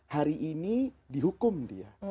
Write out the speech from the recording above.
hari ini dihukum dia